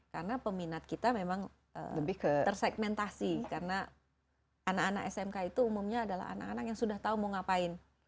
karena peminat kita memang tersegmentasi karena anak anak smk itu umumnya adalah anak anak yang sudah tahu mau ngapain